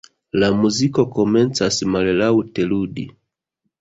La muziko komencas mallaŭte ludi.